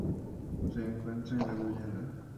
Se encuentra en la Guyana